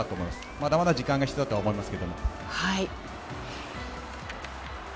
まだまだ時間が必要だと思います。